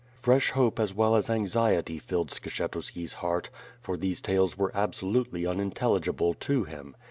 Fresh hope as well as anxiety filled Skshetuski^s heart, for these tales were absolutely unintelligible to him.